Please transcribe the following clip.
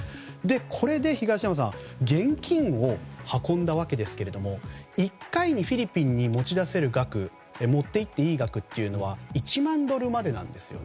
これで東山さん現金を運んだわけですけれども１回にフィリピンに持ち出せる額持っていっていい額というのは１万ドルまでなんですよね。